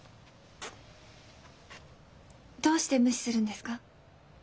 どうして無視するんですか？